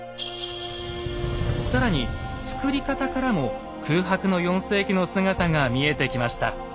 更に作り方からも空白の４世紀の姿が見えてきました。